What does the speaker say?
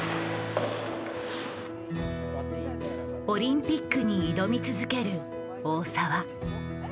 オリンピックに挑み続ける大澤。